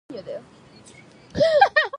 This coronation never took place.